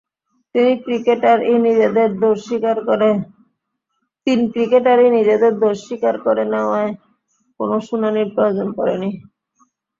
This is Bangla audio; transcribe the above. তিন ক্রিকেটারই নিজেদের দোষ স্বীকার করে নেওয়ায় কোনো শুনানির প্রয়োজন পড়েনি।